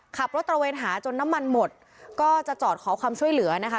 ขับรถตระเวนหาจนน้ำมันหมดก็จะจอดขอความช่วยเหลือนะคะ